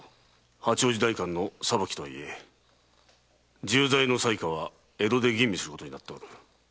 八王子代官の裁きとはいえ重罪の裁可は江戸で吟味することになっておる。